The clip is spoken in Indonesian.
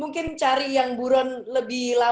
mungkin cari yang buron lebih lama